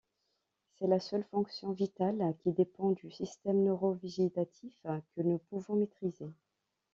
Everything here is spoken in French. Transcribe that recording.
C'est la seule fonction vitale qui dépend du système neuro-végétatif que nous pouvons maîtriser.